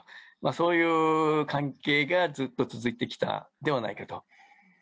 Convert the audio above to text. そういう関係がずっと続いてきたんではないかと。